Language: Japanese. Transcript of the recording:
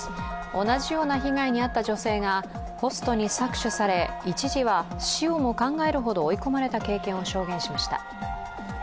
同じような被害に遭った女性が、ホストに搾取され一時は死をも考えるほど追い込まれた経験を証言しました。